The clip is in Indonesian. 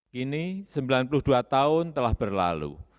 kini sembilan puluh dua tahun telah berlalu